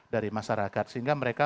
dari masyarakat sehingga mereka